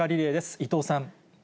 伊藤さん。